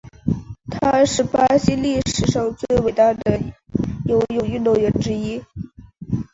他是巴西历史上最伟大游泳运动员之一。